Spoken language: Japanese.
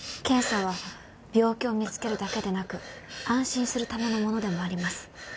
検査は病気を見つけるだけでなく安心するためのものでもあります。